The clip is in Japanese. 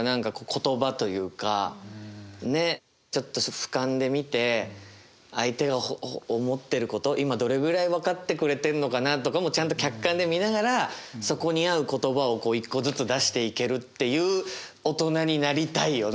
ちょっとふかんで見て相手思ってること今どれぐらい分かってくれてんのかなとかもちゃんと客観で見ながらそこに合う言葉を１個ずつ出していけるっていう大人になりたいよね。